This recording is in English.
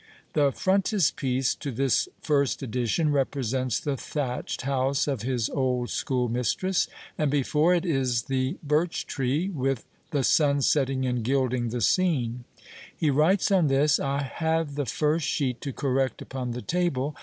The frontispiece to this first edition represents the "Thatched house" of his old schoolmistress, and before it is the "birch tree," with "the sun setting and gilding the scene." He writes on this, "I have the first sheet to correct upon the table.